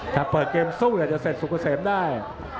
ถ้าเปิดเกมสู้เดี๋ยวจะเสร็จสุกเกษตรได้